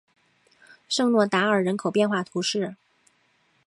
圣若达尔人口变化图示